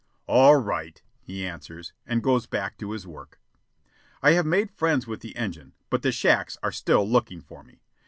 "All right," he answers, and goes back to his work. I have made friends with the engine, but the shacks are still looking for me.